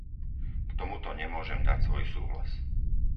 K tomuto nemôžem dať svoj súhlas.